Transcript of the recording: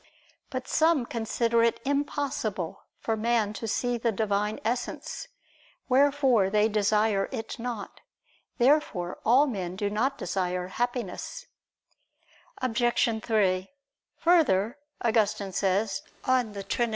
But some consider it impossible for man to see the Divine Essence; wherefore they desire it not. Therefore all men do not desire Happiness. Obj. 3: Further, Augustine says (De Trin.